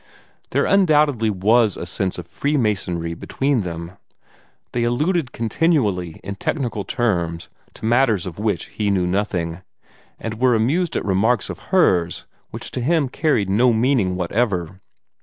There undoubtedly was a sense of freemasonry between them. They alluded continually in technical terms to matters of which he knew nothing, and were amused at remarks of hers which to him carried no meaning whatever.